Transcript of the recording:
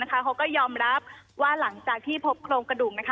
เขาก็ยอมรับว่าหลังจากที่พบโครงกระดูก